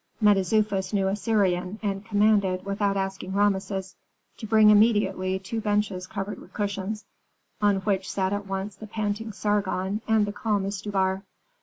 Mentezufis knew Assyrian, and commanded, without asking Rameses, to bring immediately two benches covered with cushions, on which sat at once the panting Sargon and the calm Istubar.